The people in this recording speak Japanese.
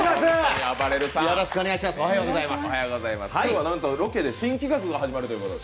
今日はなんとロケで新企画が始まるということで。